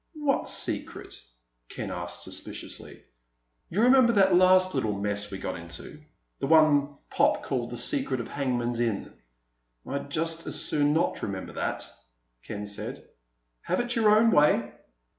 "What secret?" Ken asked suspiciously. "You remember that last little mess we got into—the one Pop called The Secret of Hangman's Inn?" "I'd just as soon not remember that," Ken said. "Have it your own way."